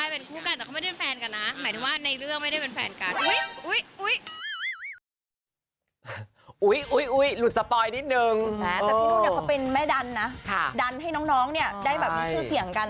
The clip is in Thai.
พี่นุ่มเขาเป็นแม่ดันนะดันให้น้องได้มีชื่อเสียงกัน